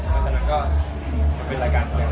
เพราะฉะนั้นก็มีรายการสเนทมาก